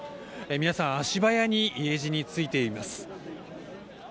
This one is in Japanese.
皆さん、足早に家路に就いています。